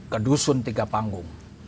ke dusun tiga panggung